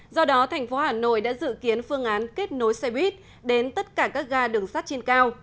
do đó thành phố hà nội đã dự kiến phương án kết nối xe buýt đến tất cả các ga đường sắt trên cao